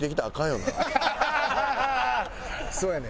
そうやねん。